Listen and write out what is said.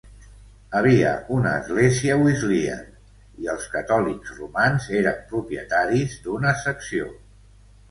Havia una església Wesleyan i els catòlics romans eren propietaris d'una secció.